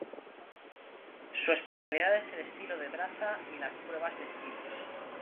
Su especialidad es el estilo de braza y las pruebas de estilos.